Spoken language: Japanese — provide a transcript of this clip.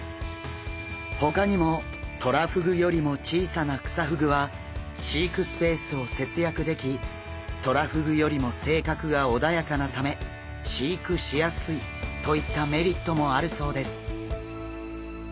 ほかにもトラフグよりも小さなクサフグは飼育スペースを節約できトラフグよりも性格が穏やかなため飼育しやすいといったメリットもあるそうです。